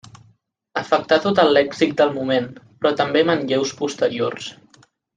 Afectà tot el lèxic del moment, però també manlleus posteriors.